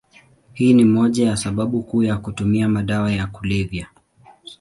Hii ni moja ya sababu kuu ya kutumia madawa ya kulevya.